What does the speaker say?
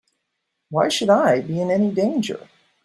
Why should I be in any danger?